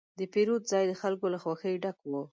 د پیرود ځای د خلکو له خوښې ډک و.